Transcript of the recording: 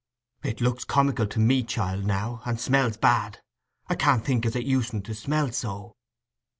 "It looks comical to me, child, now—and smells bad. I can't think as it usened to smell so."